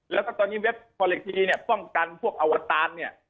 แล้วก็ตอนนี้เว็บพอเล็กทีเนี่ยป้องกันพวกอวตารเนี่ย